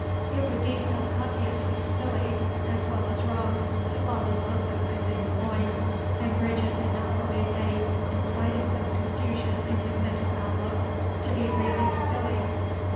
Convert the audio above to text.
It would be so obviously silly, as well as wrong, to fall in love with Eileen Le Moine, and Bridget did not believe Eddy, in spite of some confusion in his mental outlook, to be really silly.